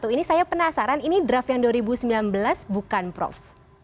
dua ribu dua puluh satu ini saya penasaran ini draft yang dua ribu sembilan belas bukan prof